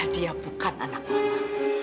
dia bukan anak mama